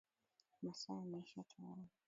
Masaa yameisha tayari.